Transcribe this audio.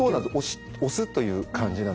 押すという感じなんですね。